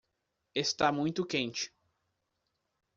Está muito quente.